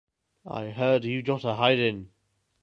I heard you got a hiding.